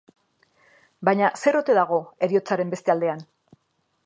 Baina, zer ote dago heriotzaren beste aldean?